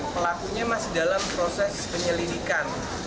pelakunya masih dalam proses penyelidikan